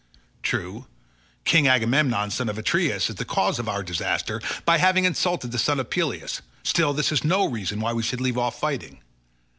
True, King Agamemnon son of Atreus is the cause of our disaster by having insulted the son of Peleus, still this is no reason why we should leave off fighting.